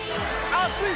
熱い！